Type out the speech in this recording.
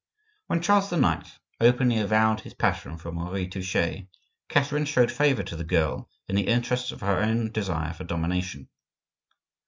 When Charles IX. openly avowed his passion for Marie Touchet, Catherine showed favor to the girl in the interests of her own desire for domination.